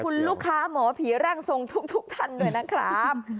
คุณลูกค้าหมอผีร่างทรงทุกท่านด้วยนะครับ